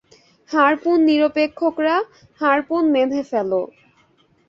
Harpoon নিক্ষেপকরা, harpoon বেঁধে ফেলো!